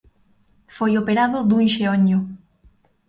Foi operado dun xeonllo.